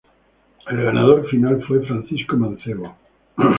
El ganador final fue Francisco Mancebo.